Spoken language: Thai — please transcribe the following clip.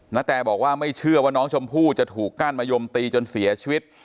นาแตบอกว่าไม่เชื่อว่าน้องชมพู่จะถูกก้านมะยมตีจนเสียชีวิต